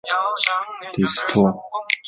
里斯托拉人口变化图示